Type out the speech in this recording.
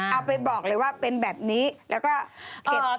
เอาไปบอกเลยว่าเป็นแบบนี้แล้วก็เก็บ